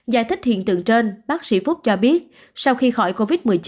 giải thích hiện tượng trên bác sĩ phúc cho biết sau khi khỏi covid một mươi chín